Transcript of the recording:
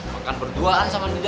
makan berduaan sama nida